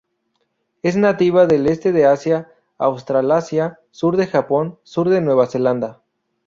Es nativa del este de Asia, Australasia, sur de Japón, sur de Nueva Zelanda.